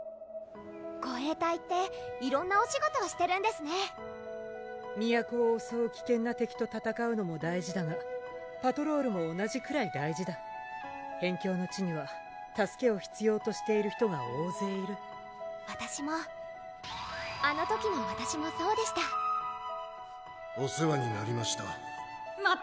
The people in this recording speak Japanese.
護衛隊って色んなお仕事をしてるんですねぇ都をおそう危険な敵と戦うのも大事だがパトロールも同じくらい大事だ辺境の地には助けを必要としている人が大勢いるわたしもあの時のわたしもそうでしたお世話になりました